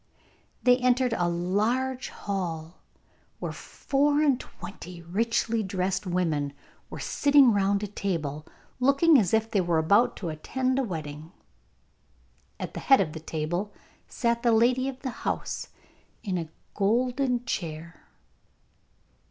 They entered a large hall, where four and twenty richly dressed women were sitting round a table, looking as if they were about to attend a wedding. At the head of the table sat the lady of the house in a golden chair.